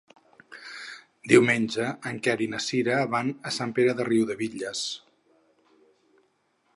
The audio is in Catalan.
Diumenge en Quer i na Sira van a Sant Pere de Riudebitlles.